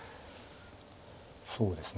そうですね